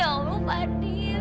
ya allah fadil